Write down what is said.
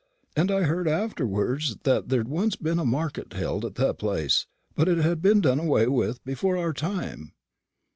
And I heard afterwards that there'd once been a market held at the place, but it had been done away with before our time.